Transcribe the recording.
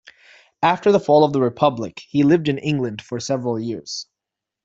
After the fall of the republic he lived in England for several years.